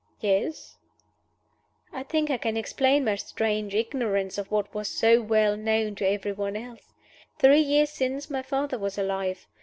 "Yes." "I think I can explain my strange ignorance of what was so well known to every one else. Three years since my father was alive.